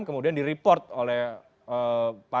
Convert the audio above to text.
kemudian di report oleh para pengguna media sosial